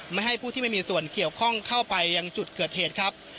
ไม่ให้ผู้ที่ไม่มีส่วนเกี่ยวข้องเข้าไปยังจุดเกิดเหตุครับ